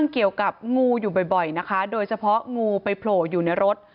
เกี่ยวกับงูอยู่บ่อยนะคะโดยเฉพาะงูไปโผล่อยู่ในรถ